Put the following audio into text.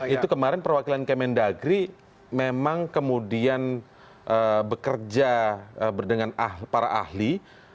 itu kemarin perwakilan kemendagri memang kemudian bekerja dengan para ahli